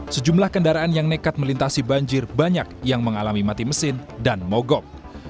sejumlah kendaraan yang nekat melintasi banjir banyak yang mengalami mati mesin dan mogok